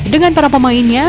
dengan para pemainnya